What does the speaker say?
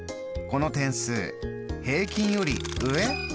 この点数平均より上？